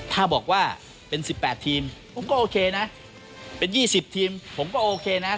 ถ้าบอกว่าเป็น๑๘ทีมผมก็โอเคนะเป็น๒๐ทีมผมก็โอเคนะ